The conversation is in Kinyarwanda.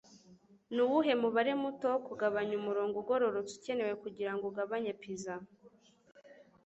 Nuwuhe mubare muto wo kugabanya umurongo ugororotse ukenewe kugirango ugabanye pizza